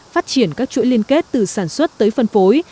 phát triển các chuỗi liên kết từ sản xuất tới phân phối